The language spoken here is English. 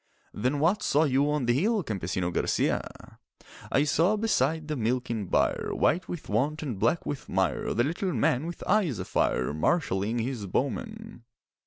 'Then what saw you on the hill, Campesino Garcia?' 'I saw beside the milking byre, White with want and black with mire, The little man with eyes afire Marshalling his bowmen.